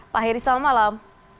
pak heri selamat malam